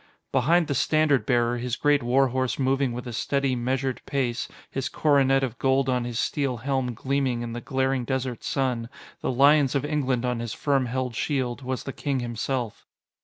Behind the standard bearer, his great war horse moving with a steady, measured pace, his coronet of gold on his steel helm gleaming in the glaring desert sun, the lions of England on his firm held shield, was the King himself.